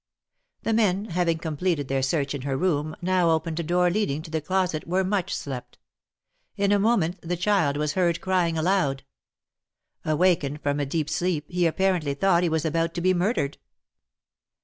The men, having completed their search in her room, now opened a door leading to the closet where Much slept. In a moment the child was heard crying aloud. Awakened from a deep sleep, he apparently thought he was about to be murdered.